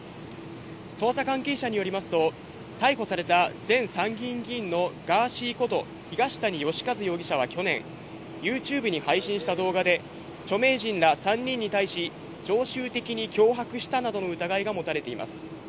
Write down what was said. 捜査関係者によりますと、逮捕された前参議院議員のガーシーこと東谷義和容疑者は去年、ユーチューブに配信した動画で、著名人ら３人に対し、常習的に脅迫したなどの疑いが持たれています。